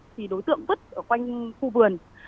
thì đối tượng vứt ở quanh khu vườn